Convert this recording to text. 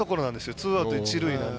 ツーアウト一塁なんで。